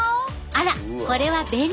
あらこれは便利。